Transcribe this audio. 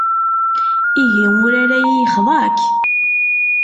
Ihi urar-ayi yexḍa-k?